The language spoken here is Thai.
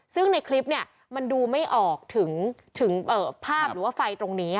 ซึ่งในคลิปมันดูไม่ออกถึงภาพหรือว่าไฟตรงนี้